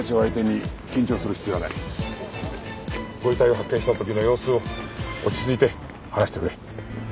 ご遺体を発見した時の様子を落ち着いて話してくれ。